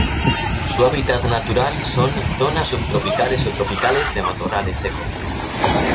Su hábitat natural son: zonas subtropicales o tropicales de matorrales secos.